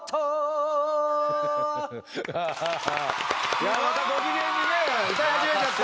いやまたご機嫌にね歌い始めちゃった。